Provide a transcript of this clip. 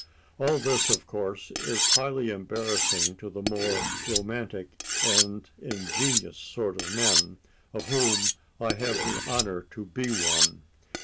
All this, of course, is highly embarrassing to the more romantic and ingenuous sort of men, of whom I have the honor to be one.